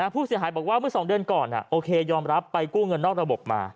ผู้เสียหายบอกว่าเมื่อ๒เดือนก่อนโอเคยอมรับไปกู้เงินนอกระบบมา